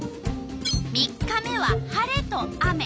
３日目は晴れと雨。